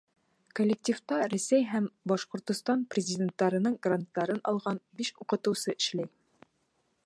Коллективта Рәсәй һәм Башҡортостан президенттарының гранттарын алған биш уҡытыусы эшләй.